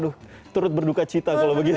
aduh turut berduka cita kalau begitu